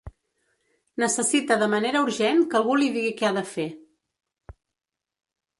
Necessita de manera urgent que algú li digui què ha de fer.